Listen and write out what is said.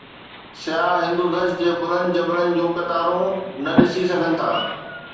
سياح هندودش جي بلند جبلن جون قطارون به ڏسي سگهن ٿا.